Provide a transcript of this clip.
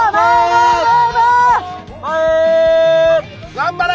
頑張れ！